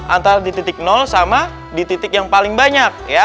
antara di titik sama di titik yang paling banyak